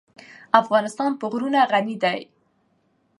افغانستان په غرونه غني دی.